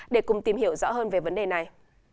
để cùng tìm hiểu rõ hơn về vấn đề này